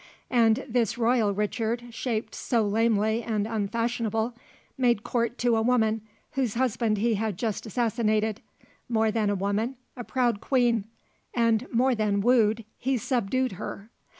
And this royal Richard, shaped `so lamely and unfashionable,' made court to a woman, whose husband he had just assassinated more than a woman, a proud queen and more than wooed, he subdued her.